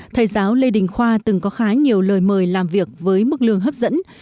thầy giáo lê đình khoa từng có khá nhiều lời mời làm việc với mức lương hấp dẫn